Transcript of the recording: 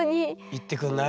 行ってくんない？と。